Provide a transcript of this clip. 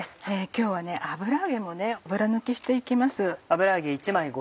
今日は油揚げも油抜きして行きます。